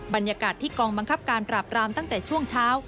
บรรยากาศที่กองบังคับการปราบรามตั้งแต่ช่วงเช้า